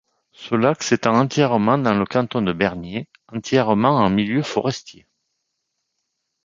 Ce lac s’étend entièrement dans le canton de Bernier, entièrement en milieu forestier.